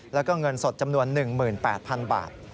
แล้วก็เงินสดจำนวน๑๘๐๐๐บาท